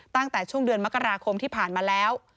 ตั้งแต่ช่วงเดือนมกราคมที่ผ่านมาแล้ว